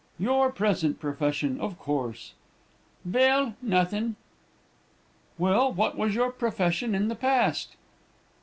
"'Your present profession, of course.' "'Vell nuthin'.' "'Well, what was your profession in the past?'